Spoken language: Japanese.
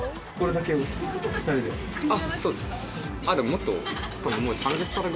あっそうです。